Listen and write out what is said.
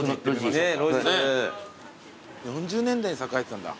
４０年代に栄えてたんだ。